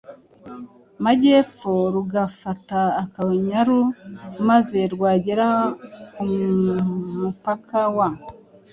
magepfo rugafata Akanyaru, maze rwagera ku mupaka wa